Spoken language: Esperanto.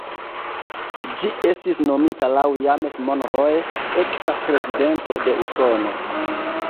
Ĝi estis nomita laŭ James Monroe, eksa prezidento de Usono.